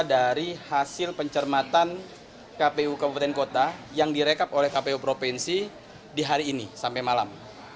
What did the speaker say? dari hasil pencermatan kpu kabupaten kota yang direkap oleh kpu provinsi di hari ini sampai malam